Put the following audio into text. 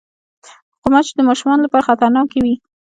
غوماشې د ماشومو لپاره خطرناکې وي.